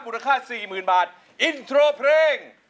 มูลค่า๔๐๐๐๐บาทอินโทรเพลง